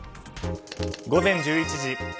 午前１１時。